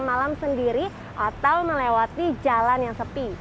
jika ada orang yang mengikuti bisa segera ditindak lanjuti